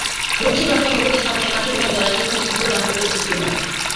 রূপসী বাংলা হোটেলের সামনে পানি জমে যাওয়ায় সেখানে তীব্র যানজটের সৃষ্টি হয়।